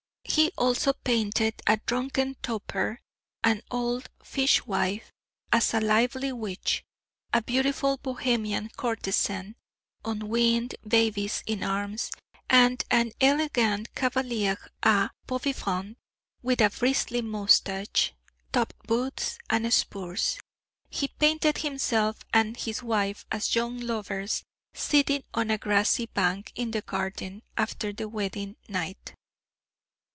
He also painted a drunken toper, an old fishwife as a lively witch, a beautiful Bohemian courtesan, unweaned babies in arms, and an elegant{F} cavalier a bon vivant, with a bristly moustache, top boots, and spurs. He painted himself and his wife as young lovers, sitting on a grassy bank in the garden, after the wedding night.